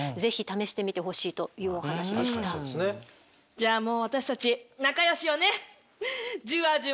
じゃあもう私たち仲よしよね！